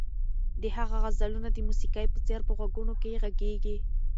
د هغه غزلونه د موسیقۍ په څېر په غوږونو کې غږېږي.